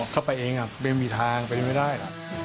เข้าไปเองไม่มีทางเป็นไม่ได้